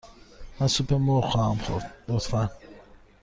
من سوپ مرغ خواهم خورد، لطفاً.